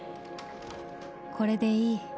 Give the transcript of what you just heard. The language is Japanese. これでいい。